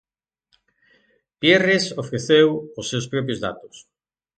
Pierres ofreceu os seus propios datos.